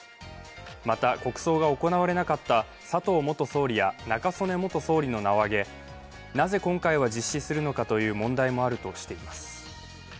また、国葬が行われなかった佐藤元総理や中曽根元総理の名を挙げなぜ今回は実施するのかという問題もあるとしています。